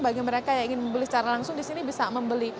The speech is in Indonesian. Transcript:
bagi mereka yang ingin membeli secara langsung di sini bisa membeli